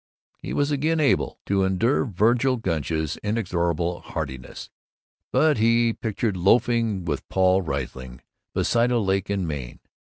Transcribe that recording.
He was again able to endure Vergil Gunch's inexorable heartiness. But he pictured loafing with Paul Riesling beside a lake in Maine.